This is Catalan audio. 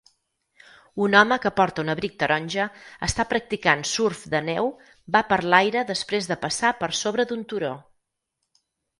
Un home que porta un abric taronja està practicant surf de neu va per l'aire després de passar per sobre d'un turó.